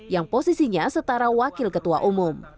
yang posisinya setara wakil ketua umum